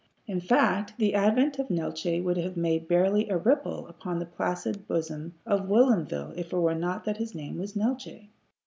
In fact, the advent of Neeltje would have made barely a ripple upon the placid bosom of Whilomville if it were not that his name was Neeltje.